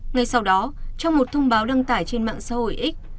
ngay sau đó trong một thông báo đăng tải trên mạng xã hội x